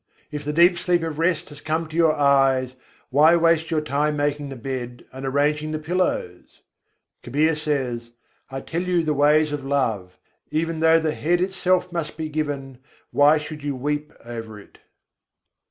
If the deep sleep of rest has come to your eyes, why waste your time making the bed and arranging the pillows? Kabîr says: "I tell you the ways of love! Even though the head itself must be given, why should you weep over it?"